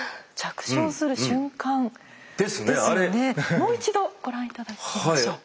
もう一度ご覧頂きましょう。